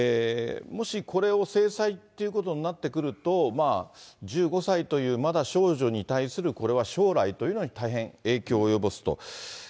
もしこれを制裁ということになってくると、１５歳という、まだ少女に対するこれは将来というのに大変影響を及ぼすと。